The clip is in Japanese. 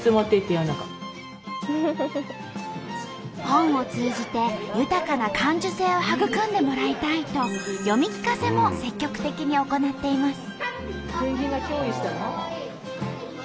本を通じて豊かな感受性を育んでもらいたいと読み聞かせも積極的に行っています。